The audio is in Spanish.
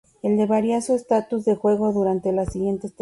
Elevaría su status de juego durante las siguientes temporadas.